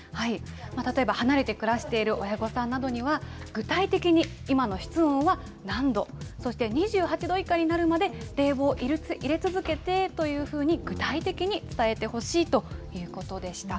例えば離れて暮らしている親御さんなどには、具体的に、今の室温は何度、そして、２８度以下になるまで冷房を入れ続けてというふうに、具体的に伝えてほしいということでした。